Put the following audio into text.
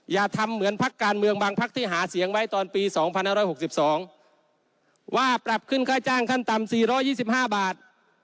อย่าทำเหมือนภักดิ์การเมืองบางภักดิ์ที่หาเสียงไว้ตอนปีสองพันห้าร้อยหกสิบสองว่าปรับขึ้นค่าจ้างขั้นต่ำสี่ร้อยยี่สิบห้าบาท